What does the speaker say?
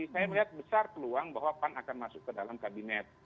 saya melihat besar peluang bahwa pan akan masuk ke dalam kabinet